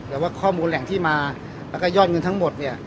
แต่ว่าข้อมูลแหล่งที่มาแล้วก็ยอดเงินทั้งหมดเนี่ย